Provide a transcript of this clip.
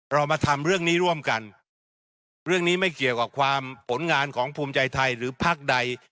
เรามาทำเรื่องนี้ร่วมกันนะครับเรื่องนี้ไม่เกี่ยวกับความผลงานของภูมิใจไทยหรือพักใด